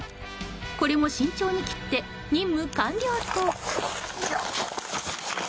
これも慎重に切って任務完了と。